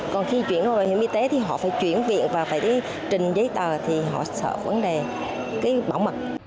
còn khi chuyển vào bảo hiểm y tế thì họ phải chuyển viện và phải trình giấy tờ thì họ sợ vấn đề bảo mật